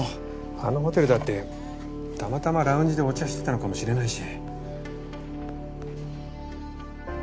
あのホテルだってたまたまラウンジでお茶してたのかもしれないし。